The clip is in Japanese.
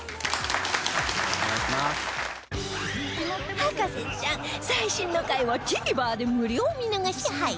『博士ちゃん』最新の回を ＴＶｅｒ で無料見逃し配信